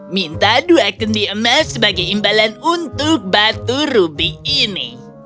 minta dua kendi emas sebagai imbalan untuk batu rubi ini